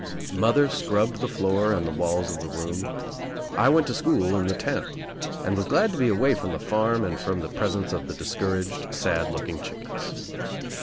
Mother scrubbed the floor and the walls of the room, I went to school in the town and was glad to be away from the farm and from the presence of the discouraged, sad looking chickens.